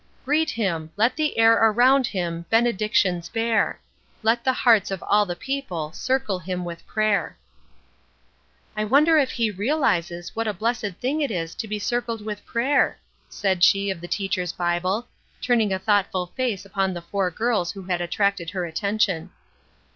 "Greet him! Let the air around him Benedictions bear; Let the hearts of all the people Circle him with prayer.' "I wonder if he realizes what a blessed thing it is to be circled with prayer?" said she of the Teacher's Bible, turning a thoughtful face upon the four girls who had attracted her attention.